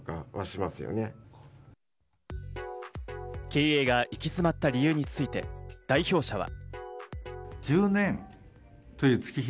経営が行き詰まった理由について代表者は。